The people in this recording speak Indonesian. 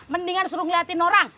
mendingan suruh ngeliatin orang